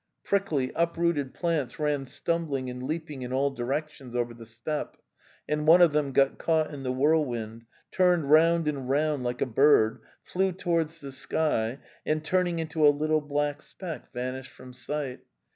Prickly uprooted plants ran stumbling and leaping in all directions over the steppe, and one of them got caught in the whirlwind, turned round and round like a bird, flew towards the sky, and turning into a little black speck, vanished from sight.